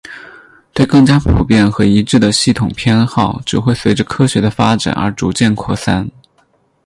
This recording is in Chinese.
对更加普遍和一致的系统的偏好只会随着科学的发展而逐渐扩散。